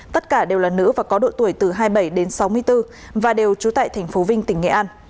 tất cả đều là nữ và có độ tuổi từ hai mươi bảy đến sáu mươi bốn và đều trú tại tp vinh tỉnh nghệ an